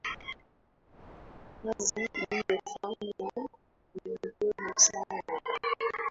Kazi aliyofanya ni mbovu sana.